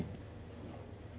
ini ujian terberatnya